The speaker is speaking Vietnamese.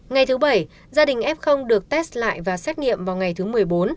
ngày thứ bảy gia đình f được test lại và xét nghiệm vào ngày thứ mười